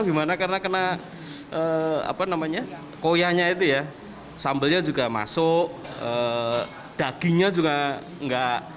gimana karena kena apa namanya koyanya itu ya sambelnya juga masuk dagingnya juga enggak